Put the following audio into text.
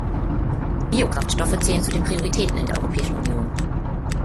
Biokraftstoffe zählen zu den Prioritäten in der Europäischen Union.